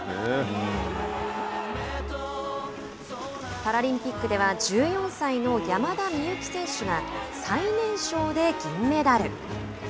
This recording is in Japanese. パラリンピックでは１４歳の山田美幸選手が最年少で銀メダル。